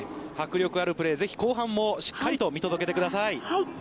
迫力あるプレー後半もしっかりと見届けてください。